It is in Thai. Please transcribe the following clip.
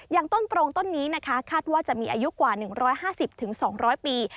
อย่างต้นโปรงต้นนี้นะคะคาดว่าจะมีอายุกว่า๑๕๐๒๐๐ปี